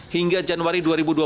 hingga januari dua ribu dua puluh